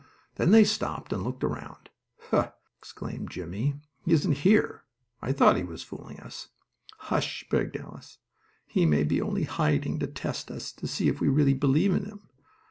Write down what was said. Then they stopped and looked around. "Hu!" exclaimed Jimmie. "He isn't here. I thought he was fooling us." "Hush!" begged Alice. "He may be only hiding to test us, to see if we really believe in him.